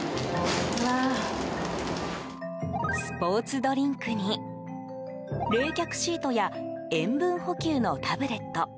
スポーツドリンクに冷却シートや塩分補給のタブレット。